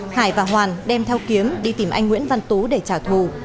hải và hoàn đem theo kiếm đi tìm anh nguyễn văn tú để trả thù